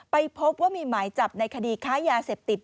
พบว่ามีหมายจับในคดีค้ายาเสพติด